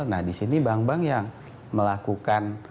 nah disini bank bank yang melakukan